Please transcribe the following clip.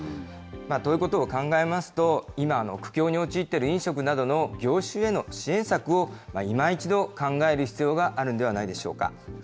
ということを考えますと、今、苦境に陥っている飲食などの業種への支援策をいま一度考える必要があるんではないでしょうか。